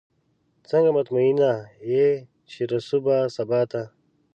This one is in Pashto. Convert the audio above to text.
څنګه مطمئنه یې چې رسو به سباته؟